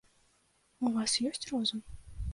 У вас ёсць розум?